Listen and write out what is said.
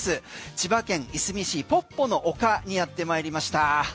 千葉県いすみ市、ポッポの丘にやってまいりました。